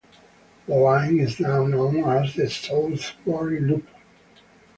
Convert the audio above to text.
The line is now known as the Southbury Loop.